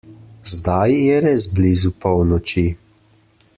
Zdaj je res blizu polnoči.